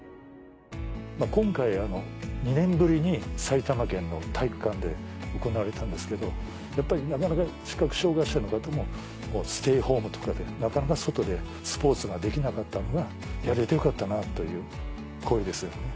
今回２年ぶりに埼玉県の体育館で行われたんですけどやっぱり視覚障がい者の方もステイホームとかでなかなか外でスポーツができなかったのが「やれてよかったな」という声ですよね。